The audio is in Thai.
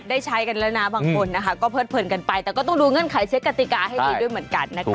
ได้ใช้กันแล้วนะบางคนนะคะก็เพิดเผินกันไปแต่ก็ต้องดูเงื่อนไขเช็คกติกาให้ดีด้วยเหมือนกันนะคะ